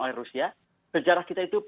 oleh rusia sejarah kita itu